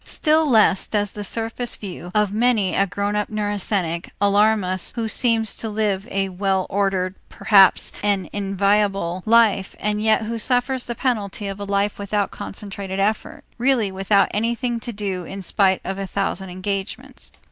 Still less does the surface view of many a grown up neurasthenic alarm us who seems to live a well ordered, perhaps an enviable life, and yet who suffers the penalty of a life without concentrated effort, really without anything to do in spite of a thousand engagements.